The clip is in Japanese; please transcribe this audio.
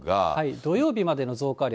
土曜日までの増加量。